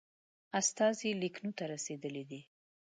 استازی لکنهو ته رسېدلی دی.